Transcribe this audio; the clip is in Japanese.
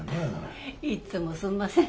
いつもすんません。